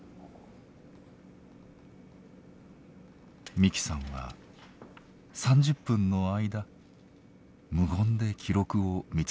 美希さんは３０分の間無言で記録を見続けました。